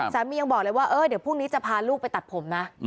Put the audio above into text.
ยังบอกเลยว่าเดี๋ยวพรุ่งนี้จะพาลูกไปตัดผมนะ